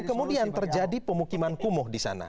dan kemudian terjadi pemukiman kumuh di sana